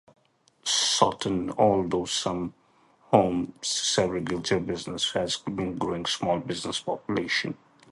Sutton, although home to several agricultural businesses, has a growing small business population.